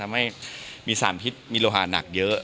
ทำให้มีสารพิษมีโลหะหนักเยอะ